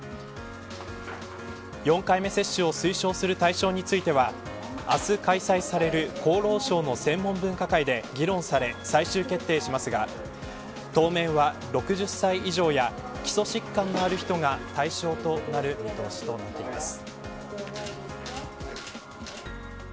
４回目接種を推奨する対象については明日開催される厚労省の専門分科会で議論され最終決定しますが当面は６０歳以上や基礎疾患のある人が対象となる見通しとなっています。